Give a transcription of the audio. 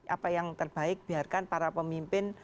apa yang terbaik biarkan para pemimpin